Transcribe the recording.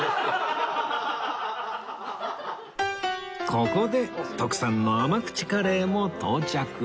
ここで徳さんの甘口カレーも到着